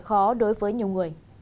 khó đối với nhiều người